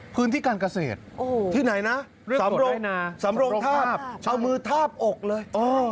พื้นที่การเกษตรที่ไหนนะสำรงทาบเอามือทาบอกเลย